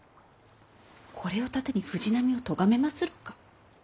これを盾に藤波をとがめまするか？